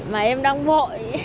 mà em đang nghĩ